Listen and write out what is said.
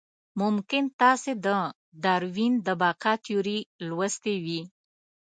ممکن تاسې د داروېن د بقا تیوري لوستې وي.